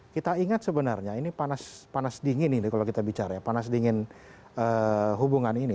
kita ingat sebenarnya ini panas dingin ini kalau kita bicara ya panas dingin hubungan ini